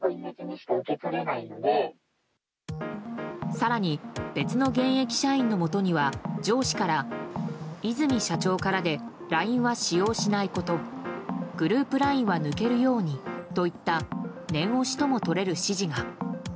更に、別の現役社員のもとには上司から和泉社長からでＬＩＮＥは使用しないことグループＬＩＮＥは抜けるようにといった念押しともとれる指示が。